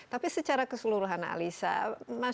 tapi secara keseluruhan alisa masyarakat di indonesia anda lebih baik